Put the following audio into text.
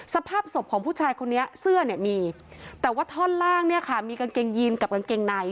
สภาพศพของผู้ชายคนนี้เสื้อเนี่ยมีแต่ว่าท่อนล่างเนี่ยค่ะมีกางเกงยีนกับกางเกงใน